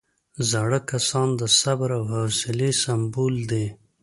زاړه کسان د صبر او حوصلې سمبول دي